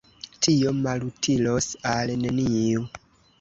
Tio malutilos al neniu.